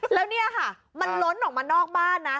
แล้วเนี่ยค่ะมันล้นออกมานอกบ้านนะ